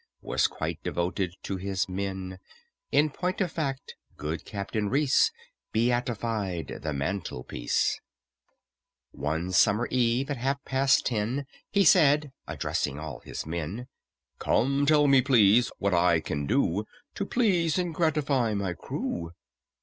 Was quite devoted to his men; In point of fact, good CAPTAIN REECE Beatified The Mantelpiece. One summer eve, at half past ten, He said (addressing all his men): "Come, tell me, please, what I can do To please and gratify my crew.